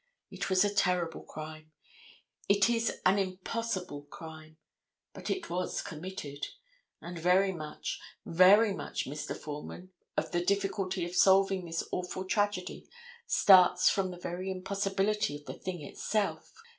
It was a terrible crime. It is an impossible crime. But it was committed. And very much, very much, Mr. Foreman, of the difficulty of solving this awful tragedy starts from the very impossibility of the thing itself.